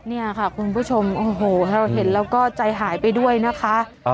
นี่ค่ะคุณผู้ชมโอ้โหเราเห็นแล้วก็ใจหายไปด้วยนะคะ